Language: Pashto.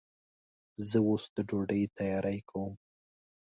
زه اوس د ډوډۍ تیاری کوم.